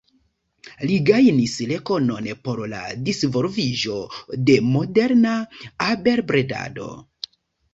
Li gajnis rekonon por la disvolviĝo de moderna abelbredado.